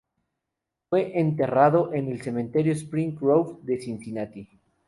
Fue enterrado en el Cementerio Spring Grove de Cincinnati.